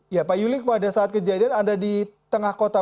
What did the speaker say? ya pak yuli pada saat kejadian anda di tengah kota